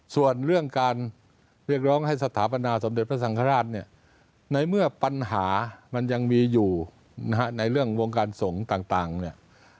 ส่วนเรื่องการเรียกร้องให้สถาปนาสมเด็จพระสังฆราชเนี่ยในเมื่อปัญหามันยังมีอยู่นะฮะในเรื่องวงการสงฆ์ต่างเนี่ย